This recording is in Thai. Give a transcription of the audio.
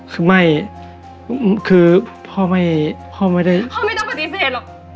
คือไม่คือพ่อไม่พ่อไม่ได้พ่อไม่ต้องปฏิเสธหรอก